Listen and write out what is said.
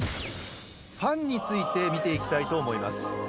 ファンについて見ていきたいと思います。